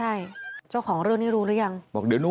ใช่เจ้าของเรื่องนี้รู้แล้วยัง